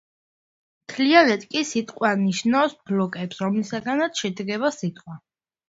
მთლიანად კი სიტყვა ნიშნავს ბლოკებს, რომლისგანაც შედგება სიტყვა.